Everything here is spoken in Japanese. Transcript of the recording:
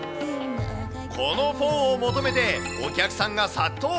このフォーを求めて、お客さんが殺到。